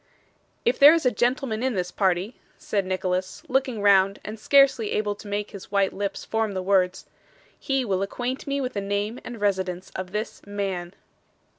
'If there is a gentleman in this party,' said Nicholas, looking round and scarcely able to make his white lips form the words, 'he will acquaint me with the name and residence of this man.